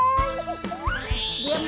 biar aja nantuk